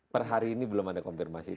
per hari ini belum ada konfirmasi